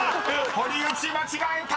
［堀内間違えた！］